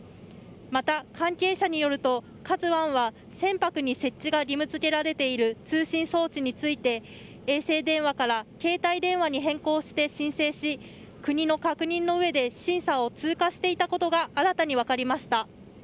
また、関係者によると「ＫＡＺＵ１」は船舶に設置が義務付けられている通信装置について衛星電話から携帯電話に変更して申請し国の確認の上で審査を通過していたことが新たに分かりました。